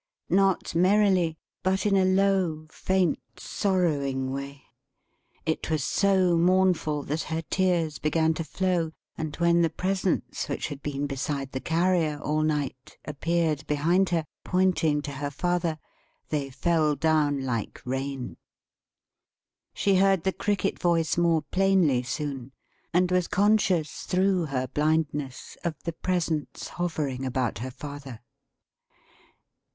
Not merrily, but in a low, faint, sorrowing way. It was so mournful, that her tears began to flow; and when the Presence which had been beside the Carrier all night, appeared behind her, pointing to her father, they fell down like rain. She heard the Cricket voice more plainly soon; and was conscious, through her blindness, of the Presence hovering about her father.